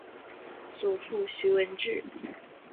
祖父徐文质。